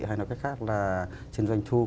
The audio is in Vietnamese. hay nói cách khác là trên doanh thu